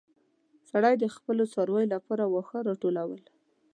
سړی د خپلو څارويو لپاره واښه راټولول.